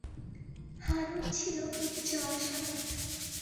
হারুর ছিল উচ্চ আশা।